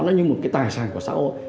nó như một cái tài sản của xã hội